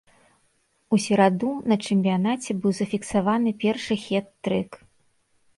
У сераду на чэмпіянаце быў зафіксаваны першы хет-трык.